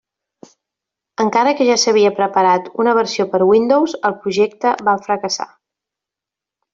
Encara que ja s'havia preparat una versió per Windows, el projecte va fracassar.